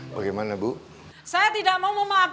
saya tidak mau memaafkan dia pak tiai